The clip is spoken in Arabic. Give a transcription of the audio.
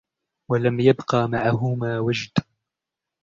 وَلَمْ يَبْقَ مَعَهُمَا وَجْدٌ